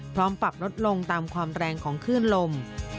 พร้อมปรับรถลงตามความแรงของคลื่นลม